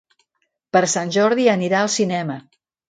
Per Sant Jordi anirà al cinema.